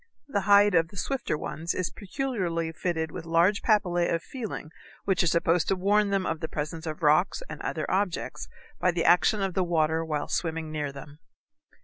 The hide of the swifter ones is peculiarly fitted with large papillæ of feeling which are supposed to warn them of the presence of rocks and other objects by the action of the water while swimming near them.